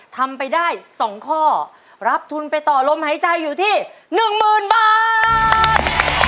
ทำไปได้๒ข้อรับทุนไปต่อลมหายใจอยู่ที่๑๐๐๐บาท